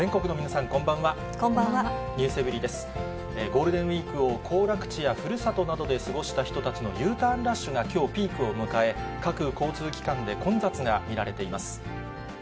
ゴールデンウィークを行楽地やふるさとなどで過ごした人たちのＵターンラッシュがきょう、ピークを迎え、各交通機関で混雑が見られています。